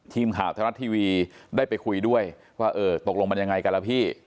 ทีมข่าวไทยรัฐทีวีได้ไปคุยด้วยว่าเออตกลงมันยังไงกันล่ะพี่